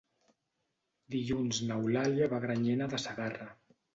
Dilluns n'Eulàlia va a Granyena de Segarra.